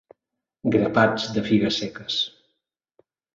Grapats de figues seques.